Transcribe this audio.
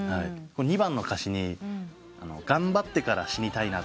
２番の歌詞に「がんばってから死にたいな」